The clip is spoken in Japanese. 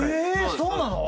そうなの⁉